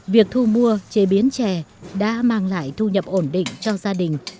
việc thu mua chế biến chè đã mang lại thu nhập ổn định cho gia đình